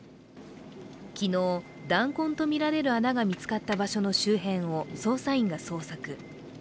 昨日、弾痕とみられる穴が見つかった場所の周辺を捜査員が捜索。